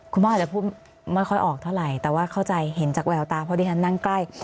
คุณพ่ออาจจะพูดไม่ค่อยออกเท่าไหร่แต่ว่าเข้าใจเห็นจากแววตาเพราะที่ฉันนั่งใกล้